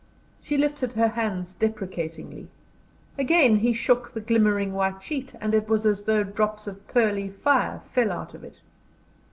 She lifted her hands deprecatingly. Again he shook the glimmering white sheet, and it was as though drops of pearly fire fell out of it.